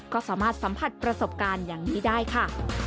ก็สามารถสัมผัสประสบการณ์อย่างนี้ได้ค่ะ